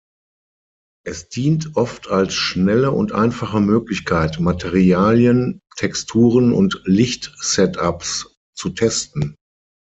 Es dient oft als schnelle und einfache Möglichkeit, Materialien, Texturen und Licht-Setups zu testen.